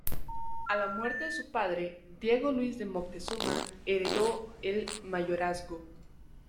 A la muerte de su padre, Diego Luis de Moctezuma, heredó el mayorazgo.